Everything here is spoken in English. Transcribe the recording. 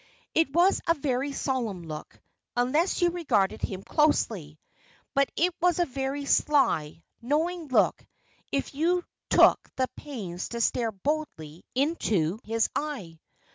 It was a very solemn look unless you regarded him closely. But it was a very sly, knowing look if you took the pains to stare boldly into his eye.